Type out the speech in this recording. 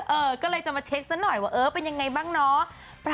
เออก็เลยจะมาเช็คซะหน่อยว่าเออเป็นยังไงบ้างเนาะ